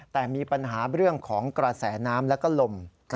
แต่มีปัญหาเรื่องของกระแสน้ำแล้วก็ลม